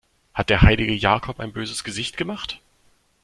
Hat der heilige Jakob ein böses Gesicht gemacht?